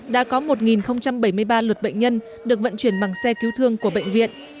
đã có một bảy mươi ba lượt bệnh nhân được vận chuyển bằng xe cứu thương của bệnh viện